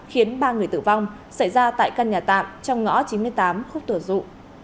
khiến ba người tử vong xảy ra tại căn nhà tạm trong ngõ chín mươi tám khúc tổ dụ